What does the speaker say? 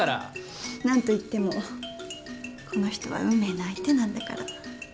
何といってもこの人は運命の相手なんだから。